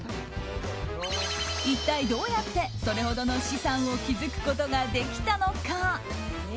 一体、どうやってそれほどの資産を築くことができたのか？